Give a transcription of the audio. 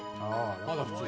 まだ普通よ。